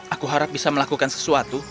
aku harap bisa melakukan sesuatu